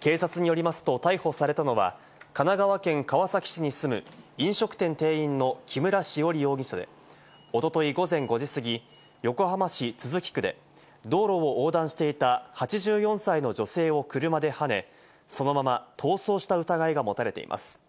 警察によりますと逮捕されたのは神奈川県川崎市に住む飲食店店員の木村栞容疑者で、おととい午前５時すぎ、横浜市都筑区で道路を横断していた８４歳の女性を車ではね、そのまま逃走した疑いが持たれています。